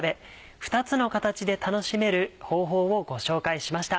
２つの形で楽しめる方法をご紹介しました。